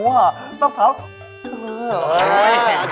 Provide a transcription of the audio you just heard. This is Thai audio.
อย่าต้องคิดดูว่าต๊อบ